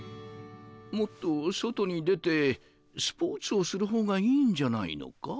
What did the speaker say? もっと外に出てスポーツをする方がいいんじゃないのか？